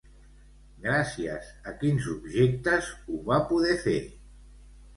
Gràcies a quins objectes ho va poder fer?